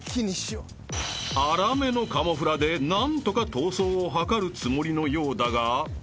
［粗めのカモフラで何とか逃走を図るつもりのようだが］